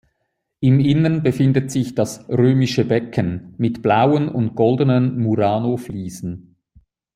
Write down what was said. Im Inneren befindet sich das "Römische Becken" mit blauen und goldenen Murano-Fliesen.